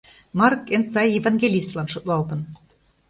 Марк эн сай евангелистлан шотлалтын.